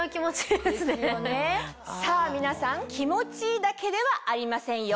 さぁ皆さん気持ちいいだけではありませんよ。